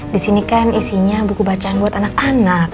disini kan isinya buku bacaan buat anak anak